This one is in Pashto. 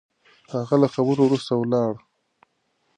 هغه له خبرو وروسته ولاړ.